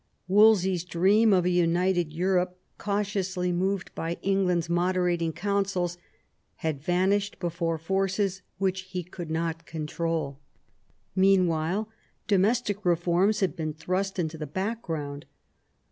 Wolsey's dream of a united Europe, cautiously moved by England's moderating counsels, had vanished before forces which he could not control. Meanwhile domestic reforms had been thrust into the background.